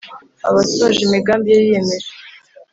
aba asohoje imigambi ye yiyemeje.